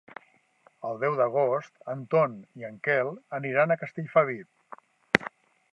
El deu d'agost en Ton i en Quel aniran a Castellfabib.